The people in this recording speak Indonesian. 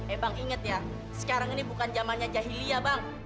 eh bang inget ya sekarang ini bukan zamannya jahilia bang